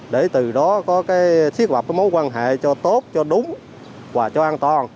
để từ đó thiết lập mối quan hệ cho tốt cho đúng và cho an toàn